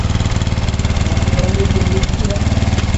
Wateya wê peyvê çi ye?